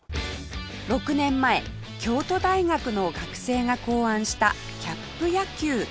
６年前京都大学の学生が考案したキャップ野球